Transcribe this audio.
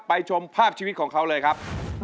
ชมภาพชีวิตของเขาเลยครับ